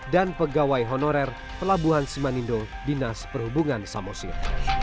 pegawai honorer pelabuhan simanindo dinas perhubungan samosir